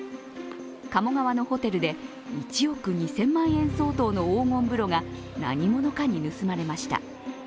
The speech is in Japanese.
鴨川のホテルで１億２０００万円相当の黄金風呂が何者かに盗まれました。